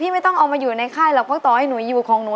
ไม่ต้องเอามาอยู่ในค่ายหรอกเพราะต่อให้หนูอยู่ของหนู